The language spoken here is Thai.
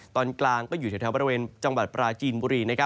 ตอนกลางก็อยู่แถวบริเวณจังหวัดปราจีนบุรี